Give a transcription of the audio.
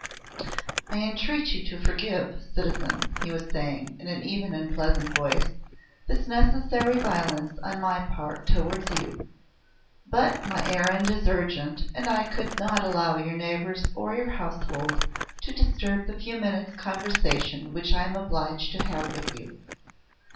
"I entreat you to forgive, citizen," he was saying in an even and pleasant voice, "this necessary violence on my part towards you. But my errand is urgent, and I could not allow your neighbours or your household to disturb the few minutes' conversation which I am obliged to have with you.